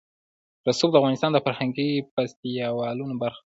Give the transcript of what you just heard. رسوب د افغانستان د فرهنګي فستیوالونو برخه ده.